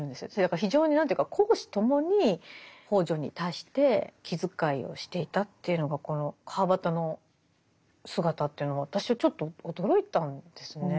非常に何ていうか公私ともに北條に対して気遣いをしていたというのがこの川端の姿というのは私はちょっと驚いたんですね。